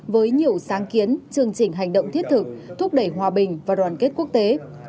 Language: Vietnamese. với nhiều sáng kiến chương trình hành động thiết thực thúc đẩy hòa bình và đoàn kết quốc tế